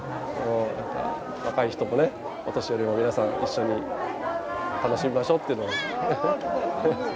なんか若い人もねお年寄りも皆さん一緒に楽しみましょうってことで。